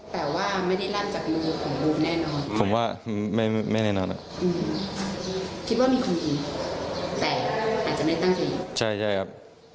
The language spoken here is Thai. พวกเจมส์รู้จักพี่บอร์ดไหมเคยเจอไหม